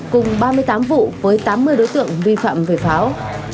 cùng ba mươi tám vụ với tám mươi đối tượng vi phạm về pháo